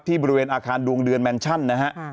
บริเวณอาคารดวงเดือนแมนชั่นนะฮะ